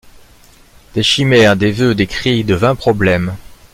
Des chimères, des vœux, des cris, de vains problèmes!